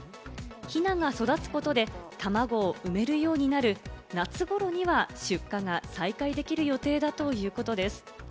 ヒナが育つことで、たまごを埋めるようになる夏頃には出荷が再開できる予定だということです。